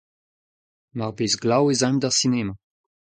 Mar bez glav ez aimp d'ar sinema.